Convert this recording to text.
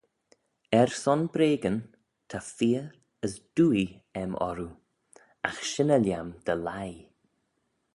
Er son breagyn, ta feoh as dwoaie aym orroo: agh shynney lhiam dty leigh.